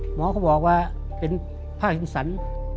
หมอเขาบอกว่าเป็นผ้าขึ้นศรรย์